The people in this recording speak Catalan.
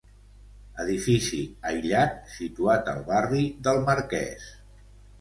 Edifici aïllat, situat al barri del Marquès.